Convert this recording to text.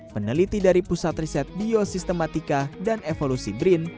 peneliti dari pusat riset biosistematika dan evolusi brin